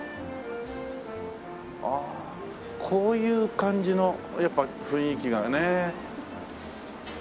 ああこういう感じのやっぱり雰囲気がね。